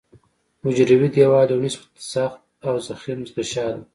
حجروي دیوال یو نسبت سخت او ضخیم غشا ده.